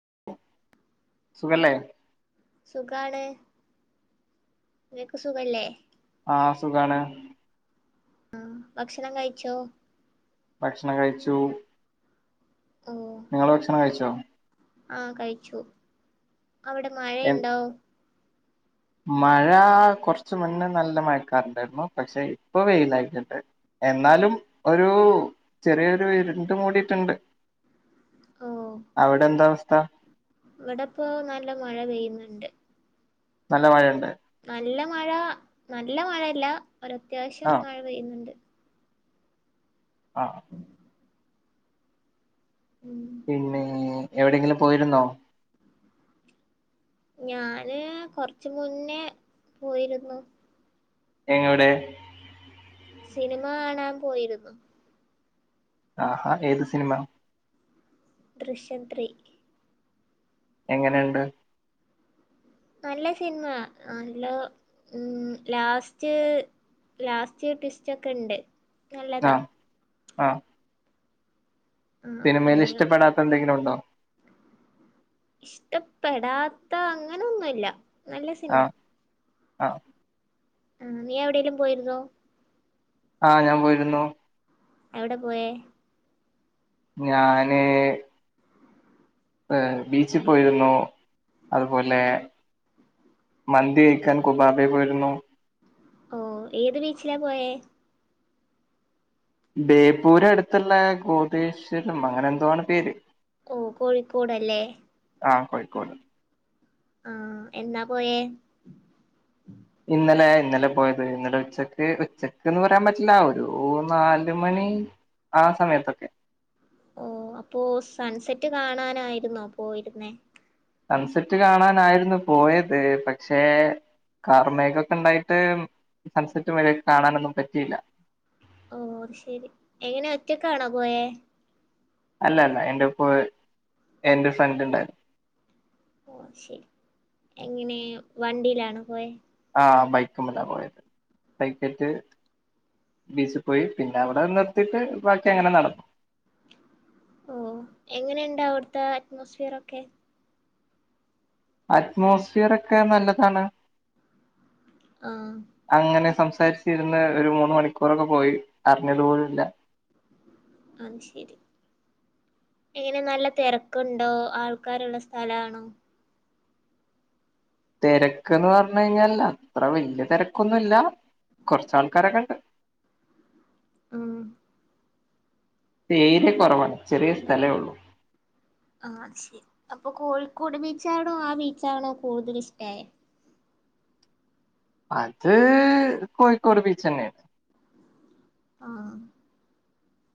[inaudible] [unintelligible] സുഖല്ലേ സുഖാണ് നക്ക് സുഖല്ലേ ആഹ അ സുഖാണ് ആഹ ഭക്ഷണം കഴിച്ചോ ഭക്ഷണം കഴിച്ചു നിങ്ങള് ഭക്ഷണം കഴിച്ചോ ആഹ കഴിച്ചു അവിടെ എ മഴയുണ്ടാവും മഴ കുറച്ചു മുന്നേ നല്ല മഴക്കാറുണ്ടായിരുന്നു പക്ഷെ ഇപ്പൊ വെയിലായിട്ടുണ്ട് എന്നാലും ഒരു ചെറിയൊരു ഇരുണ്ടും മുടിയിട്ടുണ്ട് ഓ അവിടെ എന്താ ത്ത ഇവിടെപ്പോ നല്ല മഴ പെയ്യുന്നുണ്ട് നല്ല മഴയുണ്ട് നല്ല മഴ നല്ല മഴല്ല ഒര അത്യാവിശ്യം ആഹ് മഴ പെയ്യുന്നുണ്ട്. ആഹ് ഉം പിന്നേ എവിടെയെങ്കിലും പോയിരുന്നോ? ഞാന് കൊറച്ചു മുന്നേ പോയിരുന്നു എങ്ങടെ? സിനിമ കാണാൻ പോയിരുന്നു. ആഹാ ഏത് സിനിമ? ദൃശ്യം ത്രീ എങ്ങനുണ്ട് നല്ല സിനിമ നല്ല ഉം ലാസ്റ്റ് ലാസ്റ്റ് ട്വിസ്റ്റ് ഒക്കെണ്ട്. നല്ലതാ ആഹ് ആഹ് ആഹ് സിനിമേല് പിന്നെ ഇഷ്ടപ്പെടാത്ത എന്തെങ്കിലും ഉണ്ടോ? ഇഷ്ടപ്പെടാത്ത അങ്ങനൊന്നുല്ല നല്ല സിനിമ ആഹ് ആഹ് ആ നീ എവിടെയേലും പോയിരുന്നോ? ആ ഞാൻ പോയിരുന്നു എവിടെ പോയെ ഞാന് ഏ ബീച്ചിൽ പോയിരുന്നു അതുപോലെ മന്തി കഴിക്കാൻ കുബാബെ പോയിരുന്നു ഓ ഏത് ബീച്ചിലാ പോയെ ബേപ്പൂര് അട്ത്ള്ളെ ഗോതേശ്വരം അങ്ങനെ എന്തോ ആണ് പേര് ഓ കോഴിക്കോടല്ലേ ആ കോഴിക്കോട് ആ എന്നാ പോയെ ഇന്നലെ ഇന്നലെ പോയത് ഇന്നലെ ഉച്ചക്ക് ഉച്ചക്ക്ന്ന് പറയാൻ പറ്റില്ല ഒരു നാല് മണി ആ സമയത്തൊക്കെ ഓ അപ്പോ സൺസെറ്റ് കാണാനായിരുന്നോ പോയിരുന്നേ സൺസെറ്റ് കാണാനായിരുന്നു പോയത് പക്ഷേ കാർ മേഘ ഒക്കെ ഇണ്ടായിട്ട് സൺസെറ്റ് മര്യായ്ക്ക് കാണാനൊന്നും പറ്റിയില്ല ഓ ശരി എങ്ങനെ ഒറ്റക്കാണോ പോയെ അല്ല അല്ല എന്റെ എപ്പൊ എന്റെ ഫ്രണ്ട് ഉണ്ടായിരുന്നു ഓ ശരി എങ്ങനെ വണ്ടിയിലാണോ പോയെ ആ ബൈക്ക്‌മല്ലാ പോയത് ബൈക്കേറ്റ് ബീച്ചിൽ പോയി പിന്നെ അവിടെ നിർത്തിട്ട് ബാക്കി അങ്ങനെ നടന്നു ഓ എങ്ങനെയുണ്ട് അവിട്ത്തെ അറ്റ്മോസ്ഫിയറൊക്കെ അറ്റ്മോസ്ഫിയറോക്കെ നല്ലതാണ് ആ അങ്ങനെ സം സംസാരിച്ചിരുന്ന് ഒരു മൂന്ന് മണിക്കൂറൊക്കെ പോയി അറിഞ്ഞത് പോലുല്ലാ അത് ശെരി എങ്ങനെ നല്ല തെരക്ണ്ടോ ആൾക്കാര്ള്ള സ്ഥലാണോ തിരക്ക്ന്ന് പറഞ്ഞ് കഴിഞ്ഞാൽ അത്ര വല്യ തെരക്കൊന്നുല്ല കോർച്ച് ആൾക്കാരൊക്കെ ഇണ്ട് ആ ഏരിയ കൊറവാണ് ചെറിയ സ്ഥലേ ഒള്ളൂ ആഹ് ശെരി അപ്പൊ കോഴിക്കോട് ബീച്ചാണോ ആ ബീച്ചാണോ കൂടുതൽ ഇഷ്ടായേ? അത് കോഴിക്കോട് ബീച്ഛനെയാണ് ആഹ്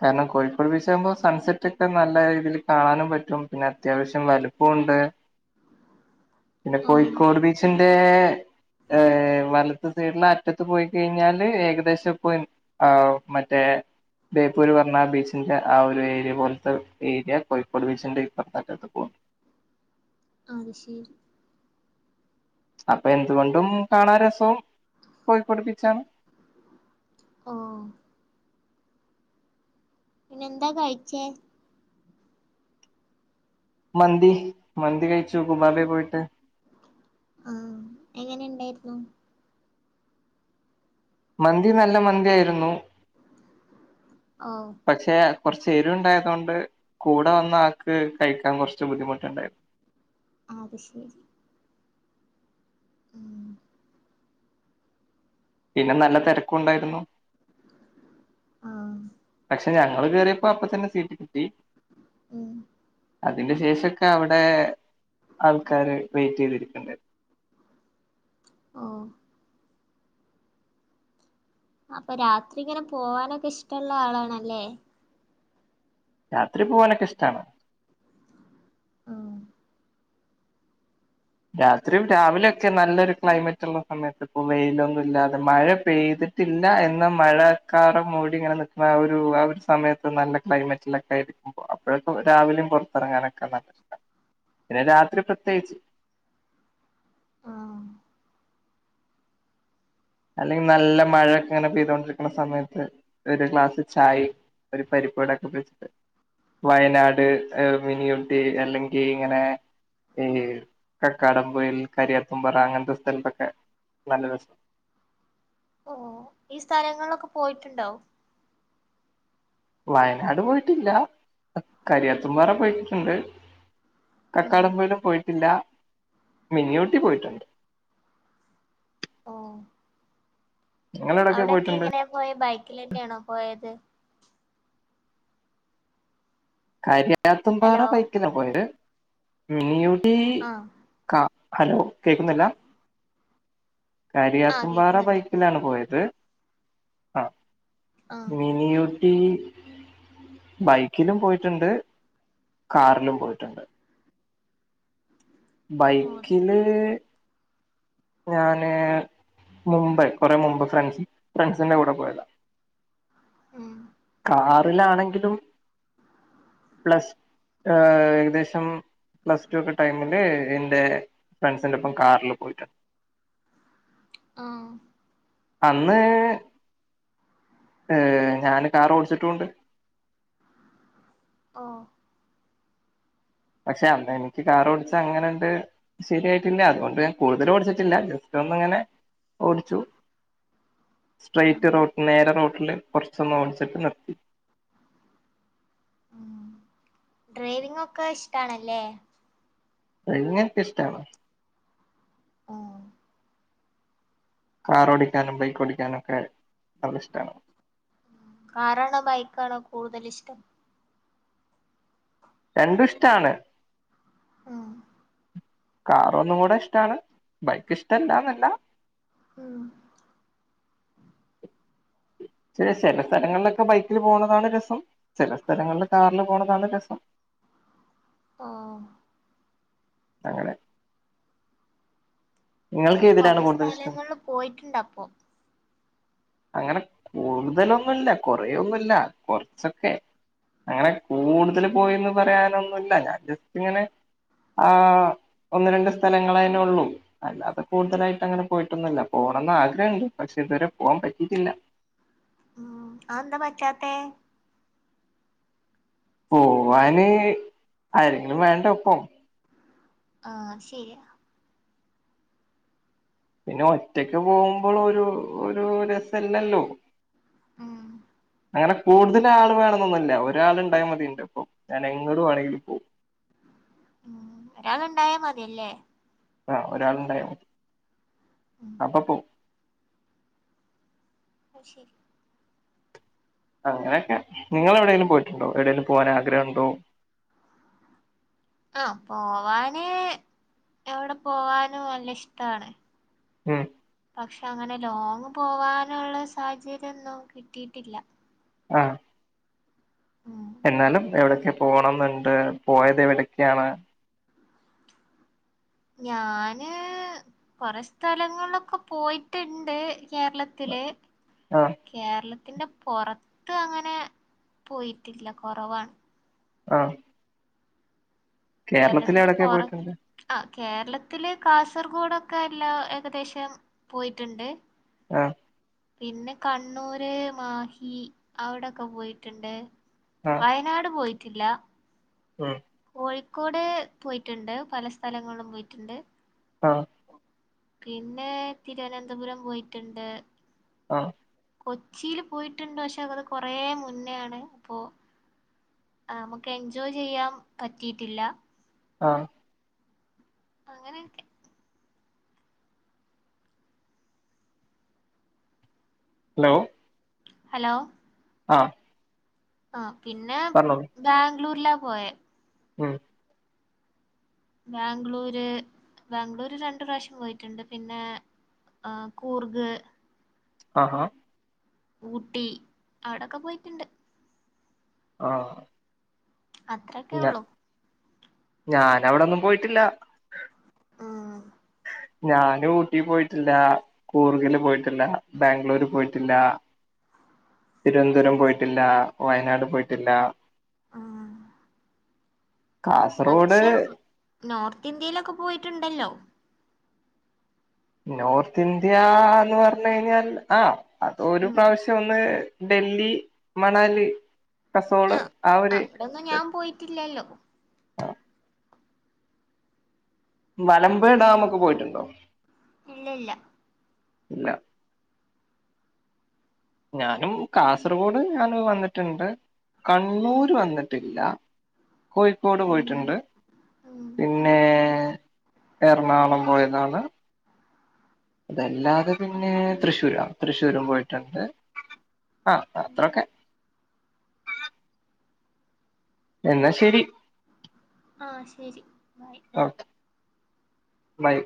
കാരണം കോഴിക്കോട് ബീച്ചന്ന് പറയുമ്പോ സൺസെറ്റ് ഒക്കെ നല്ല രീതിയിൽ കാണാനും പറ്റും പിന്നെ അത്യാവശ്യം വലുപ്പൊണ്ട് പിന്നെ ആഹ് കോയിക്കോഡ് ബീച്ചിണ്ട് റെ ഏഹ് വലത്ത് സൈഡില് അറ്റത്ത് പോയി കഴിഞ്ഞാല് ഏകദേശം പോയി ആ മറ്റേ ബേപ്പൂര് പർണ ബീച്ചിന്റ ആ ഒരു ഏരിയ പോലത്തെ ഏരിയ കോഴിക്കോട് ബീച്ചിന്റ ഇപ്പറത്തെ അറ്റത്ത് പോകും അത് ശെരി അപ്പൊ എന്തുകൊണ്ടും കാണാ രസവും കോയികോട് ബീച്ചാണ് ഓഹ് പിന്നെന്താ കഴിച്ചേ മന്തി മന്തി കഴിച്ചു കുബാബെ പോയിട്ട് ആഹ് എങ്ങനെ ഉണ്ടായിരുന്നു മന്തി നല്ല മന്തിയായിരുന്നു ഓ പക്ഷെ കൊറച്ച് എരുവിണ്ടായത്തോണ്ട് കൂടെ വന്ന ആക്ക് കഴിക്കാൻ കൊറച്ച് ബുദ്ധിമുട്ടുണ്ടായിര്ന്ന് ആത് ശരി ഉം പിന്നെ നല്ല തിരക്കുണ്ടായിരുന്നു ആഹ് പക്ഷെ ഞങ്ങൾ കേറിയപ്പോ അപ്പത്തന്നെ സീറ്റ് കിട്ടി ഉം അതിന്റെ ശേഷൊക്കെ അവിടെ ആൾക്കാര് വൈറ്റ് ചെയ്തിരിക്കുണ്ടര്ന്ന് ഓ അപ്പൊ രാത്രി ഇങ്ങനെ പോവാനൊക്കെ ഇഷ്ടൊള്ള ആളാണല്ലേ രാത്രി പോവാനൊക്കെ ഇഷ്ടാണ് ഉം രാത്രീം രാവിലെയൊക്കെ നല്ലൊരു ക്ലൈമറ്റൊള്ള സമയത്ത് ഇപ്പോ വെയിലൊന്നും ഇല്ലാതെ മഴ പെയ്തിട്ടില്ല എന്ന മഴക്കാറ് മൂടി ഇങ്ങനെ നിക്കുന്ന ആ ഒരു ആ ഒരു സമയത്ത് നല്ല ക്ലൈമറ്റിലൊക്കെ ഇരിക്കുമ്പോ അപ്പോഴൊക്കെ രാവിലെയും പുറത്തിറങ്ങാനൊക്കെ നല്ല ഇഷ്ടാ പിന്നെ രാത്രി പ്രത്യേകിച്ച്. ആഹ് അല്ലെങ്കിൽ നല്ല മഴൊക്കെ ഇങ്ങനെ പെയ്തോണ്ടിരിക്കുന്ന സമയത്ത് ഒരു ഗ്ലാസ് ചായേം ഒരു പരിപ്പടൊക്കെ വെച്ചിട്ട് വയനാട് മിനിയുട്ടി അല്ലെങ്കി ഇങ്ങനെ ഈ കക്കാടംപൊയിൽ കരിയാർത്തും പറ അങ്ങനത്തെ സ്ഥലത്തൊക്കെ നല്ല രസം ഓ ഈ സ്ഥലങ്ങളിലൊക്കെ പോയിട്ടുണ്ടോ വയനാട് പോയിട്ടില്ല കരിയാത്തും പാറ പോയിട്ടിട്ടുണ്ട് ഉം കക്കാടം പൊയിലും പോയിട്ടില്ല മനിയൂട്ടി ഉം പോയിട്ടുണ്ട് നിങ്ങളെവിടൊക്കെ അവിടെൊക്കെ പോയിട്ടുണ്ട് എങ്ങനെയാ പോയ ബൈ ക്കിൽഒക്കെയാണോ പോയത് കാര്യം ത്തും പാറ ഹലോ ബൈക്കിലാ പോയത് മിനിയു ഈ ആഹ് ക- ഹലോ കേക്കുന്നില്ല? ആഹ് കരിയാത്തുംമ്പാറ കേക്കുന്നുണ്ട് ബൈക്കിലാണ് പോയത്. ആ ആഹ് മിനിയു ട്ടീ ബൈക്കിലും പോയിട്ടുണ്ട്. കാറിലും പോയിട്ടുണ്ട്. ഓ ബൈക്കില് ശരി ഞാന് മുമ്പ് കൊറെ മുമ്പ് ഫ്രണ്ട്സ് ഫ്രണ്ട്സിന്റെ കൂടെ പോയതാ. ഉം കാറിലാണെങ്കിലും പ്ലസ് ഏകദേശം പ്ലസ് ടു ഒക്കെ ടൈമില് എന്റെ ഫ്രണ്ട്സിന്റെ ഒപ്പം കാറില് പോയിട്ടുണ്ട്. ആ അന്ന് ഏ ഞാന് കാർ ഓടിച്ചിട്ടുണ്ട്. ഓ പക്ഷെ അന്ന് എനിക്ക് കാർ ഓടിച്ച അങ്ങനെണ്ട് ശരിയായിട്ടില്ല അതുകൊണ്ട് ഞാൻ കൂടുതലും ഓടിച്ചിട്ടില്ല ജസ്റ്റ് ഒന്ന ഇങ്ങനെ ഓടിച്ചു. ഉം സ്ട്രേറ്റ് റോഡ് നേരേ നേ വിട്ടില് കുറച്ച് ഒന്ന് ഓടിച്ചിട്ട് നിർത്തി. ഡ്രൈവിങ്ങ് ഒക്കെ ഇഷ്ടണല്ലേ? നിങ്ങക്ക് ഇഷ്ടണോ? ആ കാർ ഓടിക്കാനും ബൈക്ക് ഓടിക്കാനും ഒക്കെ നല്ല ഇഷ്ടണ്. കാറാണോ ബൈക്കാണോ കൂടുതൽ ഇഷ്ടം? രണ്ടും ഇഷ്ടാണ്. ഉം കാറ് ഒന്നും കൂടെ ഇഷ്ടാണ്. ബൈക്ക് ഇഷ്ടല്ലന്നല്ല. ഉം ചില സ്ഥലങ്ങളിലൊക്കെ ബൈക്കില് പോണതാണ് രസം. ചില സ്ഥലങ്ങളില് കാറില് പോണതാണ് രസം. ആ അങ്ങനെ നിങ്ങൾക്ക് ഏതിലാണ് കൊറെ കൂടുതൽ ഇഷ്ടം സ്ഥലങ്ങളിൽ പോയിട്ടുണ്ട് അപ്പൊ. അങ്ങനെ കൂടുതലൊന്നു ഇല്ല. കുറേൊന്നുഇല്ല കൊറച്ചൊക്കെ. അങ്ങനെ കൂടുതൽ പോയിന്ന് പറയാനൊന്നുമില്ല. ഞാൻ ജസ്റ്റ് ഇങ്ങനെ ആ ഒന്ന് രണ്ട് സ്ഥലങ്ങളായതിനെ ഉള്ളൂ. അല്ലാതെ കൂടുതലായിട്ട് അങ്ങനെ പോയിട്ടൊന്നുമില്ല. പോണമെന്ന് ആഗ്രഹമുണ്ട്. പക്ഷെ ഇതുവരെ പോകാൻ പറ്റ ഇതില്ല. ഉം. അതെന്താ പറ്റാത്തെ? പോവാന് ആരെങ്കിലും വേണ്ടെ ഒപ്പം. ആ ശരിയാ. പിന്നെ ഒറ്റക്ക് പോകുമ്പോളൊരു ഒരു രസം ഇല്ലല്ലോ? ഉം അങ്ങനെ കൂടുതൽ ആൾ വേണന്നൊന്നുമില്ല. ഒരാള് ഉണ്ടായാൽ മതിഎന്റെപ്പം. ഞാൻ എങ്ങട് വേണെങ്കില് പോവും. ഒരാളുണ്ടായാൽ മതില്ലേ? ആ ഒരാളുണ്ടായ ഉം അപ്പൊ പോവും. ന്നാ ശരി. അങ്ങനെയൊക്കെ നിങ്ങള് എവിടെങ്കിലും പോയിട്ടുണ്ടോ? എവിടെേങ്കിലും പോവാൻ ആഗ്രഹം ഉണ്ടോ? ആ പോവാന് എവിടെ പോവാനും നല്ല ഇഷ്ടാണ്. ഉം പക്ഷെ അങ്ങനെ ലോങ്ങ് പോവാനുള്ള സാഹചര്യം ഒന്നും കിട്ടിയിട്ടില്ല ആഹ് ഉം എന്നാലും എവിടെ പോണംന്നുണ്ട് പോയത് എവിടെക്കാണ് ഞാൻ കൊറെ സ്ഥലങ്ങളിലൊക്കെ പോയിട്ടുണ്ട് കേരളത്തില് ആ കേരള ത്തിന്റെ പുത്ത് അങ്ങനെ പോയിട്ടില്ല കുറവാണ് ആഹ് കേരളത്തില് കേരളത്തിന്റെ എവിടൊക്കെ പൊറ പോയിട്ടുണ്ട് ആ കേരളത്തില് കാസർഗോഡോക്കെ എല്ലാ ഏകദേശം പോയിട്ടുണ്ട് ആഹ് പിന്നെ കണ്ണൂര് മാഹി അവിടൊക്കെ പോയിട്ടുണ്ട് ആ വയനാട് പോയി ട്ടില്ല ഉം കോഴിക്കോട് പോയിട്ടുണ്ട് പല സ്ഥലങ്ങളും പോയിട്ടുണ്ട് ആഹ് പിന്നെ തിരുവനന്തപുരം പോയിട്ടുണ്ട് ആഹ് കൊച്ചിൽ പോയിട്ടുണ്ട് പക്ഷെത് കൊറെ മുന്നയാണ് അപ്പൊ നമുക്ക് എൻജോയ് ചെയ്യാം പറ്റിയിട്ടില്ല ആഹ് അങ്ങനെയൊക്കെ ഹലോ ഹലോ ആഹ് ആഹ് പിന്നെ ബാ ഗ്ളൂരില പോയ ഉം ബാംഗ്ലൂര് ബാംഗ്ലൂര് രണ്ടു പ്രാവശ്യം പോയിട്ടുണ്ട് പിന്നെ കൂർഗ് ആഹാ ഊട്ടി അവിടൊക്കെ പോയിട്ടുണ്ട് ആഹ് അത്രൊക്കെ ഉള്ളു ഞാനവിടൊന്നും പോയിട്ടില്ല ആഹ് ഞാൻ ഊട്ടി പോയിട്ടില്ല കൂർഗില് പോയിട്ടില്ല ബാംഗ്ലൂര് പോയിട്ടില്ല തിരുവനന്തപുരം പോയിട്ടില്ല വയനാട് പോയിട്ടില്ല ഉം കാസർഗോഡ് പക്ഷെ നോർത്ത് ഇന്ത്യയിലൊക്കെ പോയിട്ടുണ്ടല്ലോ നോർത്ത് ഇന്ത്യ എന്ന് പറഞ്ഞ കഴിഞ്ഞാൽ ആ അത ഒരു ഉം പ്രാവശ്യം ഒന്ന് ഡൽഹി മണാലി ആ കസോള് ആ ഒരു അവിടൊന്നും ഞാൻ പോയിട്ടില്ലല്ലോ മലമ്പുഴ ഡാം ഒക്കെ പോയിട്ടുണ്ടോ ഇല്ല ഇല്ല ഇല്ല ഞാനും കാസർഗോഡ് ഞാന് വന്നിട്ടുണ്ട് കണ്ണൂര് വന്നിട്ടില്ല കോഴിക്കോട് ഉം പോയിട്ടുണ്ട് പിന്നെ എറണാകുളം പോയതാണ് അതല്ലാതെ പിന്നെ തൃശ്ശൂരാ തൃശ്ശൂരും പോയിട്ടുണ്ട് ആ അത്രൊക്കെ എന്നാ ശരി ആ ശരി ബൈ ഓക്കെ ബൈ